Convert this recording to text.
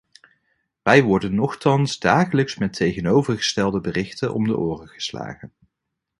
Wij worden nochtans dagelijks met tegenovergestelde berichten om de oren geslagen.